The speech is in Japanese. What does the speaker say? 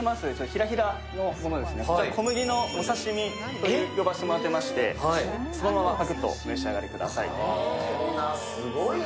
ヒラヒラのものですね、こちら小麦のお刺身と呼ばせてもらってまして、そのままパクッとお召し上がりください。